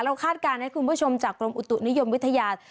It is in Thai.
คาดการณ์ให้คุณผู้ชมจากกรมอุตุนิยมวิทยา